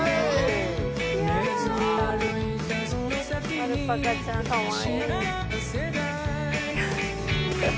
アルパカちゃんかわいい。